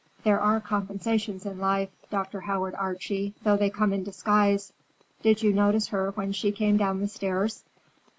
There are compensations in life, Dr. Howard Archie, though they come in disguise. Did you notice her when she came down the stairs?